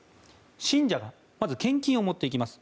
信者がまず献金を持っていきます。